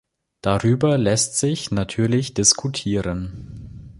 Darüber lässt sich natürlich diskutieren.